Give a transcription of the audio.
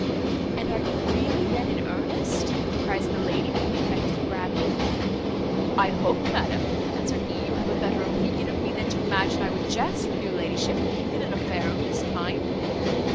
"And are you really then in earnest?" cries the lady, with an affected gravity. "I hope, madam," answered he, "you have a better opinion of me, than to imagine I would jest with your ladyship in an affair of this kind."